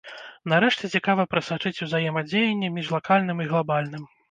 Нарэшце, цікава прасачыць узаемадзеянне між лакальным і глабальным.